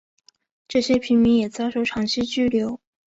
这些平民也遭受长期拘留。